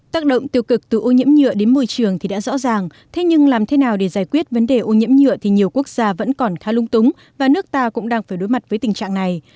tác động tiêu cực từ ô nhiễm nhựa đến môi trường thì đã rõ ràng thế nhưng làm thế nào để giải quyết vấn đề ô nhiễm nhựa thì nhiều quốc gia vẫn còn khá lung túng và nước ta cũng đang phải đối mặt với tình trạng này